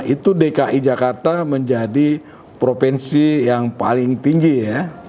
itu dki jakarta menjadi provinsi yang paling tinggi ya